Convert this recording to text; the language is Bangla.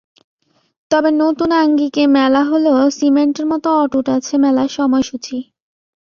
তবে নতুন আঙ্গিকে মেলা হলেও সিমেন্টের মতো অটুট আছে মেলার সময়সূচি।